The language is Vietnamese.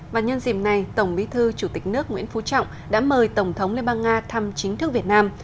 và nhân dìm nay tổng bí thư chủ tịch nước nguyễn phú trọng đã mời tổng thống liên bang nga thăm chính thức việt nam